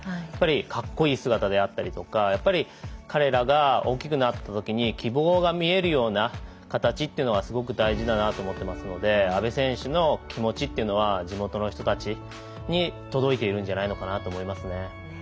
やっぱり格好いい姿であったりとか彼らが大きくなったときに希望が見えるような形というのはすごく大事だなと思ってますので阿部選手の気持ちというのは地元の人たちに届いているんじゃないのかなと思いますね。